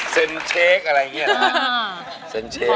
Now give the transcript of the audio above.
เซ็นเช็คอะไรอย่างนี้นะ